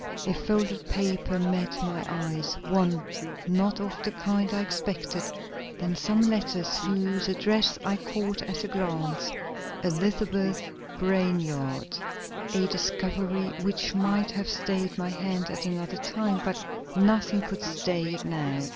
A folded paper met my eyes one not of the kind I expected; then some letters whose address I caught at a glance. "Elizabeth Brainard" a discovery which might have stayed my hand at another time, but nothing could stay it now.